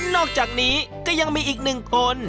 นอกจากนี้ก็ยังมีอีกหนึ่งคน